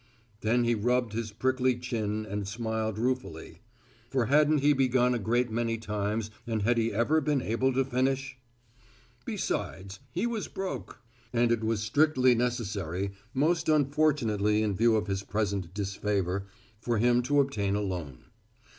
Then he rubbed his prickly chin and smiled ruefully. For hadn't he begun a great many times and had he ever been able to finish? Besides, he was broke, and it was strictly necessary, most unfortunately in view of his present disfavor, for him to obtain a loan.